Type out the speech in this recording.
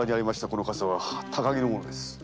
この笠は高木の物です。